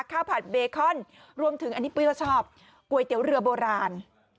ผัดเบคอนรวมถึงอันนี้ปุ้ยก็ชอบก๋วยเตี๋ยวเรือโบราณ